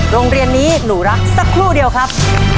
โรงเรียนนี้หนูรักสักครู่เดียวครับ